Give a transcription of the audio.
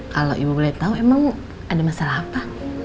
kalau ibu boleh tahu emang ada masalah apa